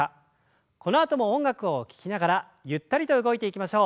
このあとも音楽を聞きながらゆったりと動いていきましょう。